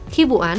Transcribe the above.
khi vụ án